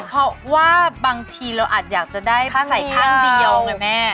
เพราะว่าบางทีเราอาจอยากจะได้ผ้าใส่ข้างดียองไงแม่